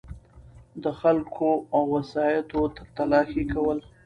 دخلګو او وسایطو تلاښي کول